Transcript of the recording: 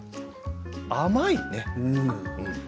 甘いね。